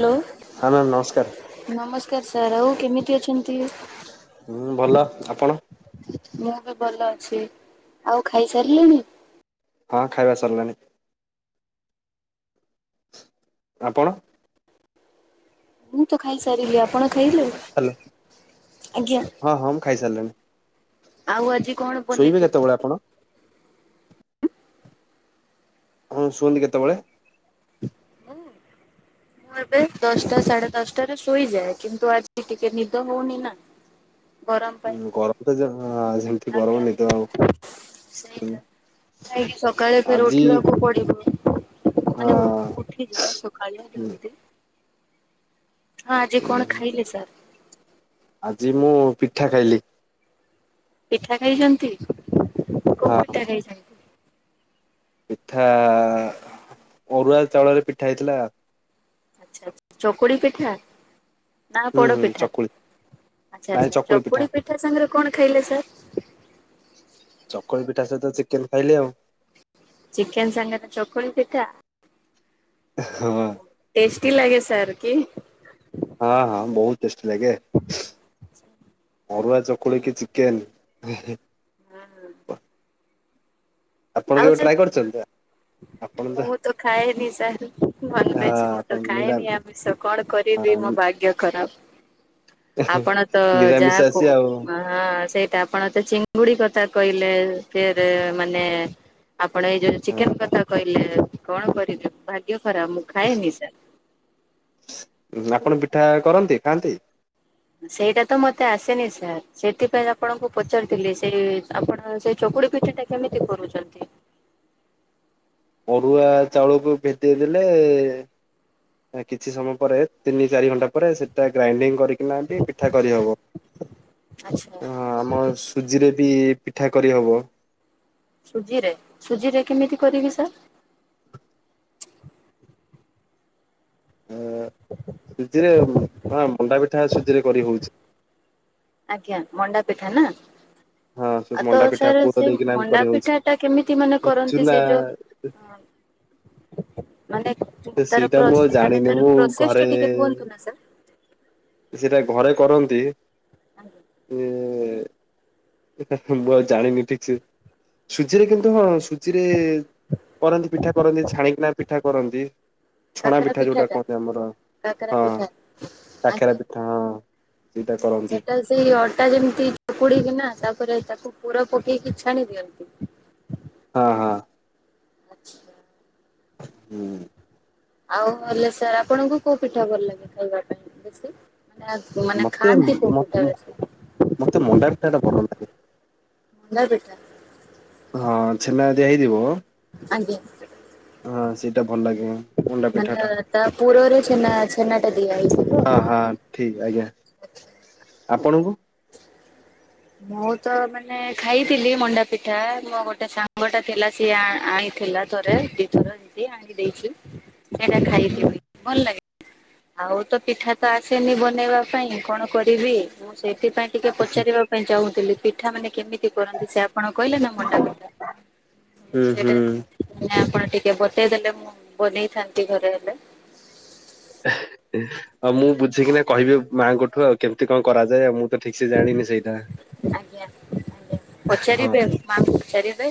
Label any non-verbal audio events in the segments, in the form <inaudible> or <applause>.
Hello ହଁ ma'am ନମସ୍କାର। ନମସ୍କାର ସାର୍ ଆଉ କେମିତି ଅଛନ୍ତି। ହୁଁ ଭଲ ଆପଣ। ମୁଁ ବି ଭଲ ଅଛି ଆଉ ଖାଇ ସାରିଲେଣି। ହଁ ଖାଇବା ସରିଲାଣିି ଆପଣ। ମୁଁ ତ ଖାଇସାରିଲି ଆପଣ ଖାଇଲେ। <unintelligible> ଆଜ୍ଞା। ହଁ ହଁ ମୁଁ ଖାଇସାରିଲିଣୀ। ଆଉ ଆଜି କଣ ବନେଇଥିଲେ। <unintelligible> ଆପଣ ଶୁଅନ୍ତି କେତୋବୋଳେ। ମୁଁ ଏବେ ଦଶଟା ସାଢେ ଦଶଟାରେ ଶୋଇଯାଏ କିନ୍ତୁ ଆଜି ଟିକେ ନିଦ ହୋଉନି ନା। ଗରମ ପାଇଁ ଉଁ ଗରମ ତ <unintelligible> ଯେମିତି ଆଜ୍ଞା ଗରମ <unintelligible> ସେଇଟା କାହିଁକି ସକାଳେ ଫେର ଆଜି ଉଠିବାକୁ ପଡିବ। ମାନେ ଉ ହଁ ଉଠିଯିବା ସଖାଳେ ଜଲ୍ଦୀ। ଆଁ ଆଜି କଣ ଖାଇଲେ ସାର୍। ଆଜି ମୁଁ ପିଠା ଖାଇଲି। ପିଠା ଖାଇଛନ୍ତି କୋଉ ହଁ ପିଠା ଖାଇଚ ପିଠା ଅରୁଆ ଚାଉଳରେ ପିଠା ହେଇଥିଲା। ଆଚ୍ଛା ଚକୁଳି ପିଠା। ନା ହୁଁ ହୁଁ ପୋଡପିଠା ଚକୁଳି ଆଚ୍ଛା ଆଚ୍ଛା ଚକୁଳି ପିଠା ସାଙ୍ଗରେ କଣ ଖାଇଲେ ସାର୍। ଚକୁଳି ପିଠା ସହିତ ଚିକେନ ଖାଇଲି ଆଉ। ଚିକେନ ସାଙ୍ଗେରେ ଚକୁଳି ପିଠା। ହଁ। ଟେଷ୍ଟି ଲାଗେ ସାର୍ କି। ହଁ ହଁ ବୋହୁତ ଟେଷ୍ଟି ଲାଗେ। ଅରୁଆ ଚକୁଳି କି ଚିକେନ <unintelligible> ପଣ ଆଉ କେବେ ସାର୍ ଟ୍ରାଏ କରୁଚନ୍ତିନା ଆପ ମୁଁ ତ ଖାଏନି ସାର୍ ହଁ ନନଭେଜ୍ ମୁଁ ଆପଣ ତ ନିରା ଖାଏନି ଆମିଷ କଣ କରିବି ମୋ ଭାଗ୍ୟ ଖରାପ ଆପଣ ତ ନିରାମିଷ ଯାହା କୁ ଆସି ଆଉ ମା ହଁ ସେଇଟା ଆପଣ ତ ଚିଙ୍ଗୁଡି କଥା କହିଲେ ଫେରେ ମାନେ ଆପଣ ଏଇ ଯୋଉ ଚିକେନ କଥା କହିଲେ କଣ କରିବି ଭାଗ୍ୟ ଖରାପ ମୁଁ ଖାଏନି ସାର୍। ଉଁ ଆପଣ ପିଠା କରନ୍ତି ଖାଆନ୍ତି। ସେଇଟା ତ ମତେ ଆସେନି ସାର୍ ସେଥିପାଇଁ ଆପଣଙ୍କୁ ପଚାରୁଥିଲି ସେଇ ଆପଣ ସେ ଚକୁଳି ପିଠାଟା କେମିତି କରୁଚନ୍ତି। ଅରୁଆ ଚାଉଳକୁ ଭେଦେଇ ଦେଲେ ଏଁ କିଛି ସମୟ ପରେ ତିନି ଚାରି ଘଣ୍ଟା ପରେ ସେଟା ଗ୍ରାଇଡିଙ୍ଗି କରି କିନା ବି ପିଠା କରିହବ। ଆଚ୍ଛା ହଁ ଆମ ସୁଜିରେ ବି ପିଠା କରିହବ। ସୁଜିରେ ସୁଜିରେ କେମିତି କରିବି ସାର୍। ଏଁ ସୁଜିରେ କଁ ମଣ୍ଡା ପିଠା ସୁଜିରେ କରି ହୋଉଛି। ଆଜ୍ଞା ମଣ୍ଡା ପିଠା ନା। ହଁ ଆଉ ତ ମଣ୍ଡା ପିଠା ସାର୍ ପୁର ସେ ଦେଇକିନା ବି ମଣ୍ଡା କରିହଉଛି। ପିଠା ଟା କେମିତି ମାନେ କରନ୍ତି ଚୁନା ସେଇ ଯୋଉ ଅଁ ମାନେ ତାର ସେଇଟା ମୁଁ ପ୍ରୋସ୍ ଆଉ ମାନେ ଜାଣିନି ତାର ମୁଁ ପ୍ରୋସେସ୍ ଘରେ ଟା ଟିକେ କୁହନ୍ତୁ ନା ସାର୍। ସେଟା ଘରେ କରନ୍ତି ଆଜ୍ଞା ଇଏ ଏଟା ମୁଁ ଆଉ ଜାଣେନି ଠିକ୍ ସେ ସୁଜିରେ କିନ୍ତୁ ହଁ ସୁ ଜିରେ କରନ୍ତି ପିଠା କରନ୍ତି ଛାଣିକିନା ପିଠା କରନ୍ତି। ଛଣା କାକରା ପିଠା ଯୋଉଡ଼ା ପିଠାଟା କୁହନ୍ତି ଆମର କାକରା ଅଁ ପିଠା କାକେରା ଆଜ୍ଞା। ପିଠା ହଁ ସେଇଡ଼ା କରନ୍ତି। ସେଟା ସେଇ ଅଟା ଯେମିତି ଚକୁଡିକିନା ତାପରେ ତାକୁ ପୁର ପକେଇକି ଛାଣି ଦିଅନ୍ତି। ହଁ ହଁ। ଆଚ୍ଛା। ହୁଁ। ଆଉ ହେଲେ ସାର୍ ଆପଣଙ୍କୁ କୋଉ ପିଠା ଭଲ ଲାଗେ ଖାଇବା ପାଇଁ ବେଶୀ? ମାନେ ମାନେ ମତେ ଖାନ୍ତି କୋଉ ପିଠା ମତେ ମଣ୍ଡା ପିଠା ଟା ଭଲ ବେଶି? ଲାଗେ। ମଣ୍ଡା ପିଠା। ହଁ ଛେନା ଦିଆ ହେଇଥିବ ଆଜ୍ଞା। ହଁ ସେଇଟା ଭଲ ଲାଗେ। ମଣ୍ଡା ପିଠା ଟା। ମାନେ ତା ପୁରରେ ଛେନା ଛେନା ଟା ଦିଆ ହେଇଚି? ହଁ ହଁ ଠିକ ଆଜ୍ଞା ଆପଣଙ୍କୁ? ମୁଁ ତ ମାନେ ଖାଇଥିଲି ମଣ୍ଡା ପିଠା ମୋ ଗୋଟେ ସାଙ୍ଗ ଟା ଥିଲା ସିଏ ଆ ଆଣି ଥିଲା ଥରେ ଦିଇଥର ଏମତି ଆଣିକି ଦେଇଛି ସେଟା ହୁଁ ଖାଇଥିବି ହୁଁ ଭଲ ଲାଗେ। ଆଉ ତ ପିଠା ତ ଆସେନି ବନେଇବା ପାଇଁ କଣ କରିବି ମୁଁ ସେଇଥିପାଇଁ ଟିକେ ପଚାରିବା ପାଇଁ ଚାହୁଁଥିଲି ପିଠା ମାନେ କେମି ତି କରନ୍ତି? ସେ ଆପଣ କହିଲେ ନା ମଣ୍ଡା ପିଠା, ମୁଁ ହୁଁ ସେଇଟା ନା ଆପଣ ଟିକେ ବତେଇଦେଲେ ମୁଁ ବନେଇଥାନ୍ତି ଘରେ ହେଲେ। ଆଉ ମୁଁ ବୁଝିକିନା କହିବି ମାଆଙ୍କଠୁ ଆଉ କେମିତି କଣ କରାଯାଏ ଆଉ। ମୁଁ ତ ଠିକ ସେ ଜାଣିନି ସେଇଟା। ଆଜ୍ଞା। <unintelligible> ହଁ ପଚାରିବେ ମାଆଙ୍କୁ ପଚାରିବେ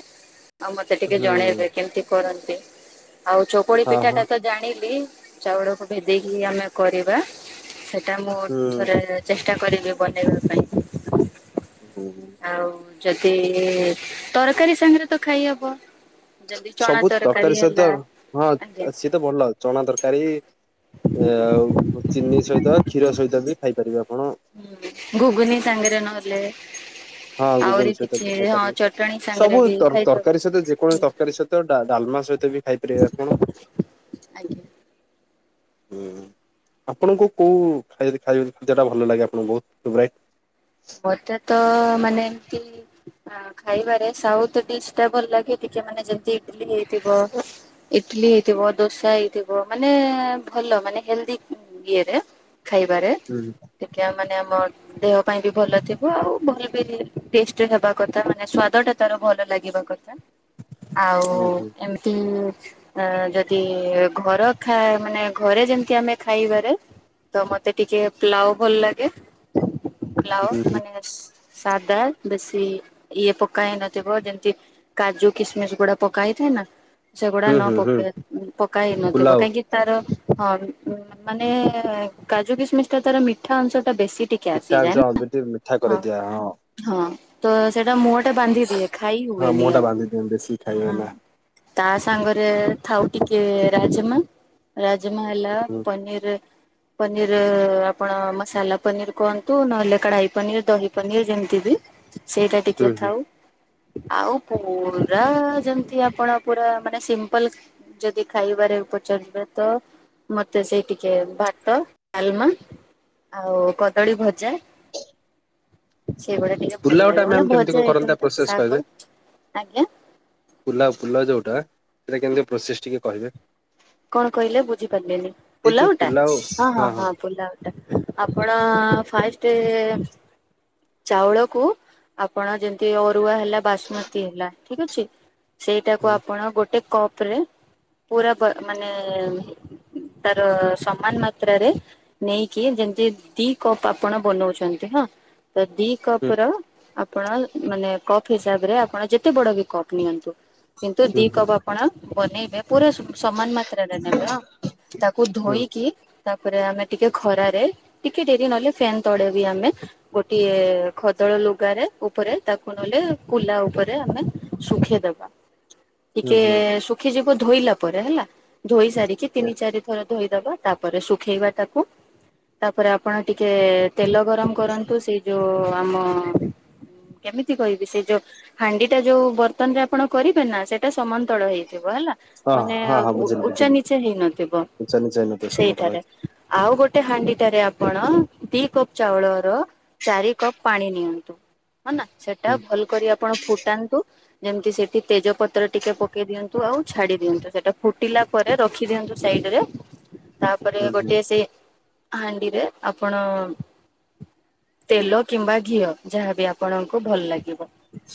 ଆଉ ମତେ ଟିକେ ହୁଁ ଜଣେଇବେ କେମତି କରନ୍ତି। ଆଉ ଚକୁଳି ହଁ ପିଠା ହଁ ଟା ତ ଜାଣିଲି ଚାଉଳକୁ ଭେଦେଇକି ଆମେ କରିବା। ସେଟା ମୁଁ ଥରେ ଚେଷ୍ଟା କରିବି ବନେଇବା ପାଇଁ। ହୁଁ। ଆଉ ଯଦି ତରକାରୀ ସାଙ୍ଗରେ ତ ଖାଇହବ। ଯେମିତି ଚଣା ସବୁ ତରକାରୀ ସହିତ ହେଲା ହଁ ଆଜ୍ଞା ସିଏ ତ ଭଲ ଚଣା ତରକାରୀ ଆଉ ଚିନି ସହିତ, କ୍ଷୀର ସହିତ ବି ଖାଇପାରିବେ ଆପଣ। ହୁଁ ଘୁଗୁନି ସାଙ୍ଗରେ ନହେଲେ ହଁ ଆହୁରି ଘୁଗୁନି ସହିତ କିଛି ବି ହଁ ଖାଇପାରିବେ ଚଟଣି ସାଙ୍ଗରେ ସବୁ ବି ତର ଖାଇଦବୁ। ତରକାରୀ ସହିତ ଯେକୌଣସି ତରକାରୀ ସହିତ ତ ଡା ଡାଲମା ସହିତ ବି ଖାଇପାରିବେ ଆପଣ। ଆଜ୍ଞା ହୁଁ। ଆପଣଙ୍କୁ କୋଉ ଖାଇଦ ଖାଇଦ ଖାଦ୍ୟ ଟା ଭଲ ଲାଗେ ଆପଣଙ୍କୁ ବୋହୁତ ଫେବରାଇଟ? ମତେ ତ ମାନେ ଏମତି ଅ ଖାଇବାରେ ସାଉଥ ଡିସ ଟା ଭଲ ଲାଗେ। ଟିକେ ମାନେ ଯେମିତି ଇଟିଲି ହେଇଥିବ ଇଟିଲିି ହେଇଥିବ ଦୋସା ହେଇଥିବ ମାନେ ଭଲ ମାନେ ହେଲଦି ଇଏରେ ଖାଇବାରେ। ହୁଁ। ଟିକେ ଆମ୍ ମାନେ ଆମ ଦେହ ପାଇଁ ବି ଭଲ ଥିବ ଆଉ ଭଲ ବି ଟେଷ୍ଟ ହେବା କଥା ମାନେ ସ୍ୱାଦ ଟା ତାର ଭଲ ଲାଗିବା କଥା। ଆଉ ହୁଁ ହୁଁ ଏମିତି ଆ ଯଦି ଘର ଖା ମାନେ ଘରେ ଯେମିତି ଆମେ ଖାଇବାରେ ତ ମତେ ଟିକେ ପ୍ଲାଓ ଭଲ ଲାଗେ। ପ୍ଲାଓ ହୁଁ ମାନେ ସାଧା ବେଶୀ ଇଏ ପକା ହେଇନଥିବ ଯେମିତି କାଜୁ କିସମିସ ଗୁଡା ପକା ହେଇଥାଏ ନା ସେଗୁଡା ହୁଁ ହୁଁ ନ ହୁଁ ହୁଁ ପକେ ପକା ହେଇନଥିବ। ପୁଲାଉ କାହିଁକି ତାର ହଁ ମାନେ କାଜୁ କିସମିସ ଟା ତାର ମିଠା ଅଂଶ ଟା ବେଶୀ ଟିକେ କ୍ୟାସିଜେନ୍ କାଜୁ ଟିକେ ମିଠା କରିଦିଏ ହଁ। ହଁ। ତ ସେଟା ମୁହଟା ବାନ୍ଧିଦିଏ ଖାଇ ହଁ ହୁଏନି ମୁହଁ ଟା ବାନ୍ଧି ଦିଅନ୍ତି ବେଶୀ ଖାଇବେ ଆଉ। ନା ତା ସାଙ୍ଗରେ ଥାଉ ଟିକେ ରାଜମା ରାଜମା ହେଲା ହୁଁ ପନୀର୍ ପନିର୍ ଆପଣ ମସାଲା ପନିର୍ କୁହନ୍ତୁ, ନହେଲେ କଢାଇ ପନିର ଦହି ପନିର ଯେମିତି କି ସେଇଟା ଟିକେ ହୁଁ ହୁଁ। ଥାଉ। ଆଉ ପୁରା ଯେମିତି ଆପଣ ପୁରା ମାନେ ସିମ୍ପଲ ଯଦି ଖାଇବାରେ ପଚାରିବେ ତ। ମତେ ସେଇ ଟିକେ ଭାତ, ଡାଲମା ଆଉ କଦଳୀ ଭଜା। ସେଇଗୁଡା ଟିକେ ଭଲ ପୁଲାଉ ଟା ଲାଗେ ମାନେ ମ୍ୟାମ କେମିତି କଣ ଭଜା କରନ୍ତି ଆଇଟମ୍ ତା ତ ପ୍ରୋସେସ କହିବେ? ଶାଗ ଆଜ୍ଞା। ପୁଲାଉ ପୁଲାଉ ଯୋଉଟା ସେଇଟା କେମିତି ପ୍ରୋସେସ ଟିକେ କହିବେ? କଣ କହିଲେ ବୁଝିପାରିଲିନି ପୁଲାଉ ଟା ହଁ ହଁ ହଁ ପୁଲାଉ। ଆପଣ ଫାର୍ଷ୍ଟେ। ଚାଉଳକୁ ଆପଣ ଯେମିତି ଅରୁଆ ହେଲା ବାସୁମତି ହେଲା ଠିକ ଅଛି। ସେଇଟାକୁ ହଁ ଆପଣ ଗୋଟେ କପ ରେ ପୁରା ବା ମାନେ। ତାର ସମାନ ମାତ୍ରାରେ। ନେଇକି ଯେମିତି ଦି କପ ଆପଣ ବନଉଛନ୍ତି ହଁ ତ ଦି କପ ହୁଁ ର ଆ ଆପଣ ମାନେ କପ ହିସାବରେ ଆପଣ ଯେତେ ବଡ ବି କପ୍ ନିଅନ୍ତୁ କିନ୍ତୁ ହୁଁ ଦି ହୁଁ କପ୍ ଆ ଆପଣ ବନେଇବେ ପୁରା ଶୁ ସମାନ ମାତ୍ରାରେ ନେବ ତାକୁ ହୁଁ ଧୋଇକି। ତାପରେ ଆମେ ଟିକେ ଖରାରେ ଟିକେ ଡେରି ନହେଲେ ଫ୍ୟାନ ତଳେ ବି ଆମେ। ଗୋଟିଏ ଖଦଡ ଲୁଗାରେ ଉପରେ ତାକୁ ନହଲେ କୁଲା ଉପରେ ଆମେ ଶୁଖେଇଦବା। ହୁଁ ଟିକେ ହୁଁ ଶୁଖିଯିବ ଧୋଇଲା ପରେ ହେଲା ଧୋଇ ସାରିକି ହୁଁ ତିନି ଚାରି ଥର। ଧୋଇଦବ ତାପରେ ଶୁଖେଇବା ତାକୁ ତାପରେ ଆପଣ ଟିକେ। ତେଲ ଗରମ କରନ୍ତୁ ସେ ଯୋଉ ଆମ କେମିତି କହିବି ସେ ଯୋଉ। ହାଣ୍ଡି ଟା ଯୋଉ ବର୍ତନ ରେ ଆପଣ କରିବେ ନା ସେଇଟା ସମନ୍ତଳ ହେଇଥିବ ହେଲା। ହଁ ମାନେ ହଁ ହଁ ବୁଝିଲି ଉ-ଉଚା ବୁଝିଲି ନିଚେ ହେଇନଥିବ ନିଚା ନିଚା ହେଇନଥିବ ସମତଳ ସେଇଠାରେ। ହେଇଥିବ ଆଉ ଗୋଟେ ହାଣ୍ଡିଟାରେ ଆପଣ ଦି କପ ଚାଉଳର। ଚାରି କପ ପାଣି ନିଅନ୍ତୁ ହ ନା ସେଟା ହୁଁ ଭଲ କରି ଆପଣ। ଫୁଟାନ୍ତୁ ଯେମିତି ସେଠି ତେଜପତ୍ର ଟିକେ ପକେଇ ଦିଅନ୍ତୁ ଆଉ ଛାଡି। ଦିଅନ୍ତୁ ସେଟା ଫୁଟିଲା ପରେ ରଖିଦିଅନ୍ତୁ ସାଇଡ ରେ ତାପରେ ହୁଁ ହୁଁ ଗୋଟିଏ ସେ। ହାଣ୍ଡିରେ ଆପଣ। ତେଲ କିମ୍ବା ଘିଅ ଯାହାବି ଆପଣଙ୍କୁ ଭଲ ଲାଗିବ।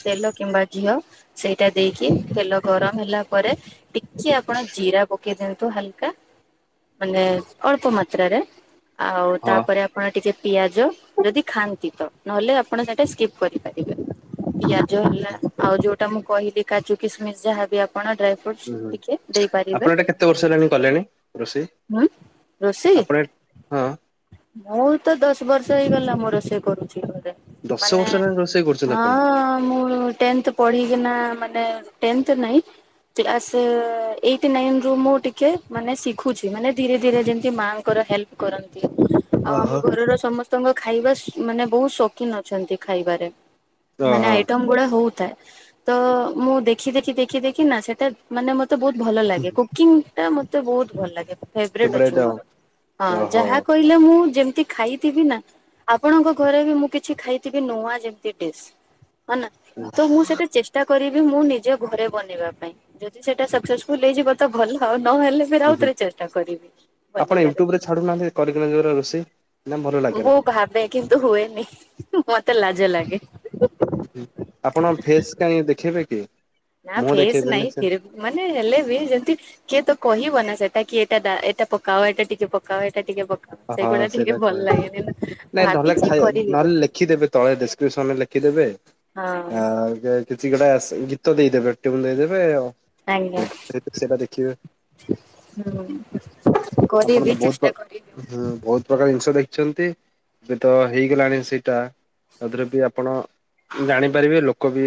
ତେଲ କିମ୍ବା ଘିଅ ସେଇଟା ଦେଇକି ତେଲ ଗରମ ହେଲା ପରେ। ଟିକେ ଆପଣ ଜିରା ପକେଇ ଦିଅନ୍ତୁ ହାଲକା ମାନେ ଅଳ୍ପ ମାତ୍ରାରେ। ଆଉ ହଁ ତାପରେ ଆପଣ ଟିକେ ପିଆଜ ଯଦି ଖାଆନ୍ତି ତ ନହେଲେ ଆପଣ ସେଟା ସ୍କିପ୍ କରିପାରିବେ। ପିଆଜ ହେଲା ଆଉ ଯୋଉଟା ମୁଁ କହିଲି କାଜୁ, କିସମିସ ଯାହାବି ଆପଣ ଡ୍ରାଏ ଫ୍ରୁଟ୍ସ। ହୁଁ ହୁଁ ଆପଣ ଏଟା କେତେ ବର୍ଷ ହେଲାଣି କଲେଣି ରୋଷେଇ? ହୁଁ ରୋଷେଇ ଆପଣ ହଁ। ମୁଁ ତ ଦଶ ବର୍ଷ ହେଇଗଲା ମୁଁ ରୋସେଇ କରୁଛି ଘରେ। ଦଶ ମାନେ ବର୍ଷ ହେଲାଣି ରୋଷେଇ କରୁଛନ୍ତି ଆପଣ ହଁ ମୁଁ ଟେନ୍ଥ। ପଢିକିନା ମାନେ ଟେନ୍ଥ ନାଇ କ୍ଲାସ। ଏ ଏଇଟି ନାଇନ ରୁ ମୁଁ ଟିକେ ମାନେ ଶିଖୁଛି ମାନେ ଧୀରେ ଧୀରେ ଯେମିତି ମାଙ୍କର ହେଲ କରନ୍ତି। ଆଉ ଆମ ଓହୋ ଘରର ସମସ୍ତଙ୍କ ଖାଇବା ସ ମାନେ ବହୁତ ଶୌକିନ ଅଛନ୍ତି ଖାଇବାରେ। ମାନେ ଓହୋ ଆଇଟମ ଗୁଡା ହଉଥାଏ ତ ମୁଁ ଦେଖି ଦେଖି ଦେଖି ଦେଖି ନା ସେଟା। ମାନେ ମତେ ବହୁତ ଭଲ ଲାଗେ କୁକିଙ୍ଗ ଟା ମତେ ବହୁତ ଭଲ ଲାଗେ। ଫେବରେଟ ଅଛି ଫେବରାଇଟ ଆଉ ମୋର ହଁ ଓହୋ ଯାହା କହିଲେ ମୁଁ ଯେମିତି ଖାଇଥିବି ନା। ଆପଣଙ୍କ ଘରେ ବି ମୁଁ କିଛି ଖାଇଥିବି ନୂଆ ଯେମିତି ଡିସ୍। ହ ନା ହୁଁ ତ ମୁଁ ସେଟା ଚେଷ୍ଟା କରିବି ମୁଁ ନିଜେ ଘରେ ବନେଇବା ପାଇଁ। ଯଦି ସେଟା ସକ୍ସେସଫୁଲ ହେଇଯିବ ତ ଭଲ ନହେଲେ ଫେରେ ହୁଁ ଆଉଥରେ ଚେଷ୍ଟା କରିବି ଆପଣ ବନେଇବାରେ। ୟୁଟ୍ୟୁବରେ ଛାଡୁନାହାନ୍ତି କରିକିନା ଯୋଉ ଗୁରା ରୋଷେଇ। ନା ଭଲ ମୁଁ ଲାଗେନା ଭାବେ କିନ୍ତୁ ହୁଏନି ହୁଁ ମତେ ଲାଜ ଲାଗେ। ଆପଣ ଫେସ କାହିଁ ଦେଖେଇବେ କି ନା ମୁହଁ ଫେସ୍ ଦେଖେଇବେନି ନାଇଁ ସେ ଫିର୍ ମାନେ ହେଲେ ବି ଯେମିତି। କିଏ ତ କହିବ ନା ସେଟା କି ଏଟା ଦା ଏଟା ପକାଅ ଏଟା ଟିକେ ପକାଅ ଏଟା ଟିକେ ପ ହଁ ସେଗୁଡା ଟିକେ ସେଇଟା ଭଲ କହ ଲାଗେନି ନା ଭାବିଛିି କରିବି ବୋଲି। ଖିଦେବେ ତଳେ ଡେସକ୍ରିପସନରେ ଲେଖିଦେବେ ହଁ ଆ ଜ କିଛି ଗୋଟା ଗୀତ ଦେଇଦେବେ ଦେଇଦେବେ ଆଉ ଆଜ୍ଞା ସେଇଟା ଦେଖିବେ। ହୁଁ ଆପଣ ତ କରିବି, ବହୁତ ଚେଷ୍ଟା କରିବି। ହୁଁ ବହୁତ ପ୍ରକାର ଜିନିଷ ଦେଖିଛନ୍ତି ଏବେ ତ ହେଇଗଲାଣି ସେଇଟା ତା ଦେରେ ବି ଆପଣ ଜାଣିପାରିବେ, ଲୋକ ବି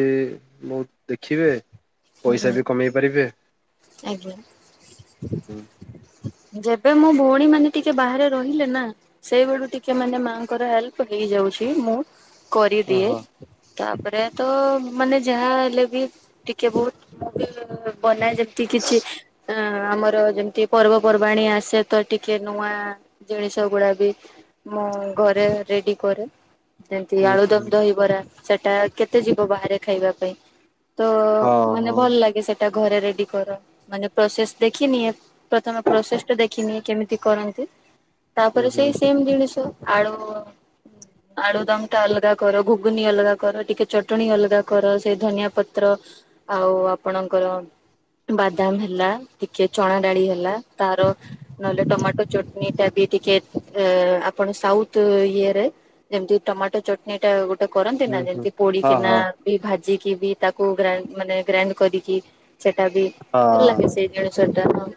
ବହୁ ଦେଖିବେ ପଇସା ହୁଁ ବି କମେଇ ପାରିବେ। ଆଜ୍ଞା। ଯେବେ ମୋ ଭଉଣୀ ମାନେ ଟିକେ ବାହାରେ ରହିଲେ ନା ସେଇ ବଳୁ ଟିକେ ମାନେ ମାଆଙ୍କର ହେଲ୍ପ ହେଇଯାଉଛି, ମୁଁ କରିଦିଏ। ଓହୋ ତାପରେ ତ ମାନେ ଯାହା ହେଲେ ବି ଟିକେ ବହୁତ ବନା ଯେ କି କିଛି ହ ଆମର ଯେମିତି ପର୍ବପର୍ବାଣୀ ଆସେ ତ ଟିକେ ନୂଆ ଜିନିଷ ଗୁଡା ବି ମୁଁ ଘରେ ରେଡି କରେ। ଯେମତି ହୁଁ ଆଳୁ ଦମ ହୁଁ ଦହିବରା ସେଟା କେତେ ଯିବ ବାହାରେ ଖାଇବା ପାଇଁ। ତ ହଁ ମାନେ ହଁ ଭଲ ଲାଗେ ସେଟା ଘରେ ରେଡି କରେ ମାନେ ପ୍ରୋସେସ ଦେଖିନିଏ। ପ୍ରଥମେ ପ୍ରୋସେସ ଟା ଦେଖିନିଏ କେମିତି କରନ୍ତି, ହୁଁ ତାପରେ ହୁଁ ସେଇ ସେମ ଜିନିଷ ଆଳୁ। ଆଳୁ ଦମ ଟା ଅଲଗା କର, ଘୁଗୁନି ଅଲଗା କର, ଟିକେ ଚଟଣି ଅଲଗା କର, ସେଇ ଧନିଆ ପତ୍ର ଆଉ ଆପଣଙ୍କର ବାଦାମ ହେଲା ଟିକେ ଚଣା ଡାଳି ହେଲା ତାର ନହେଲେ ଟମାଟୋ ଚଟନୀ ଟା ବି ଟିକେ ଆପଣ ସାଉଥ ଇଏରେ ଯେମିତି ଟମାଟୋ ଚଟଣି ଟା ଗୋଟେ ତ କରନ୍ତି ହୁଁ ନା ହୁଁ ଯେମତି ହଁ ପୋଡିକିନା ହଁ ବି ଭାଜିକି ବି ତାକୁ ଗ ମାନେ ଗ୍ରାଇଣ୍ଡ କରିକି। ସେଟା ଭଲ ଲାଗେ ହଁ ସେ। ଦେଢଶ ଟା ହଁ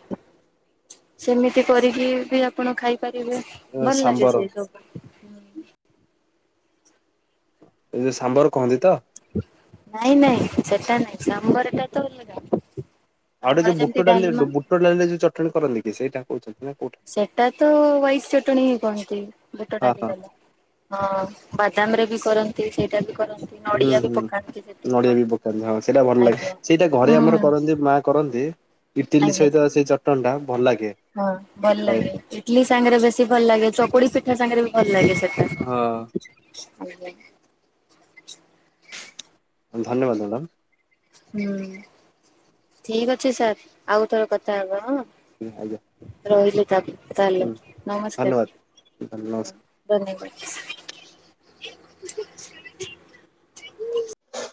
ସେମିତି କରିକି ବି ଆପଣ ଖାଇପାରିବେ। ଭଲ ଲାଗେ ସାମ୍ବର ସେଇ ସବୁ। ଏ ଯେଉଁ ସାମ୍ବର କୁହନ୍ତି ତ? ନାଇଁ ନାଇଁ ସେଟା ନାଇଁ ସାମ୍ୱରଟା ତ ଅଲଗା। ଆଉ ଗୋଟେ ଆମର ଯୋ ଯେମିତି ବୁଟଡାଲି ଡାଲମା ବୁଟଡାଲିରେ ଯଉଚଟଣି କରନ୍ତି କି ସେଇଟା କହୁଛନ୍ତି ନା କୋଉଟା? ସେଟା ତ ହ୍ୟାଇଟ ଚଟଣି ହିଁ କୁହନ୍ତି ବୁଟ ହଁ ହଁ ଡାଲିବାଲା। ହଁ ବାଦାମ ରେ ବି କରନ୍ତି, ସେଇଟା ବି କରନ୍ତି। ହୁଁ ନଡିଆ ବି ହୁଁ। ପକାନ୍ତି ସେଠି ନଡିଆ ହଁ। ବି ପକାନ୍ତି ହଁ ସେଇଟା ଭଲ ଲାଗେ, ଆଜ୍ଞା ସେଇଟା ହୁଁ ଘରେ ଆମର କରନ୍ତି, ମା କରନ୍ତି। ଇଟିଲି ଆଜ୍ଞା। ସହିତ ସେଇ ଚଟଣି ଟା ଭଲ ଲାଗେ। ହଁ ଭଲ ଖାଇବାକୁ। ଲାଗେ ଇଟଲି ସାଙ୍ଗରେ ବେଶୀ ଭଲ ଲାଗେ, ଚକୁଳୀ ପିଠା ସାଙ୍ଗରେ ବି ଭଲ ଲାଗେ ସେଟା। ହଁ। ଆଜ୍ଞା। ଧନ୍ୟବାଦ, ମ୍ୟାଡ଼ାମ୍। ହୁଁ ଠିକ ଅଛି ସାର୍ ଆଉ ଥରେ କଥା ହବ, ହଁ। ହଁ ଆଜ୍ଞା। ରହିଲି ତା ତାହଲେ ହୁଁ ଧନ୍ୟବାଦ ନମସ୍କାର ନମସ୍କାର। ଧନ୍ୟବାଦ।